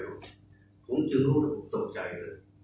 ผมจึงรู้แล้วผมตกใจเลย